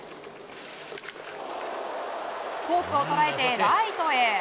フォークを捉えてライトへ。